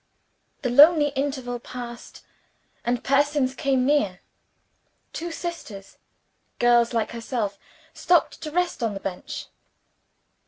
The lonely interval passed, and persons came near. Two sisters, girls like herself, stopped to rest on the bench.